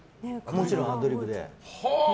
もちろん、アドリブで。